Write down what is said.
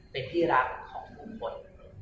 เป็นที่รักของผู้คน